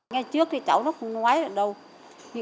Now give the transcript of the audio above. ngay trước thì cháu nó không ngoái được đâu